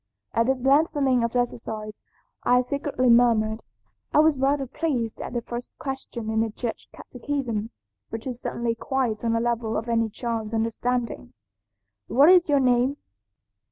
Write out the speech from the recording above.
"At this lengthening of exercise I secretly murmured. I was rather pleased at the first question in the Church catechism, which is certainly quite on the level of any child's understanding, 'What is your name?'